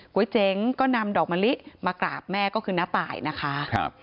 ก๋วยเจ๋งก็นำดอกมะลิมากราบแม่ก็คือน้าตายนะคะ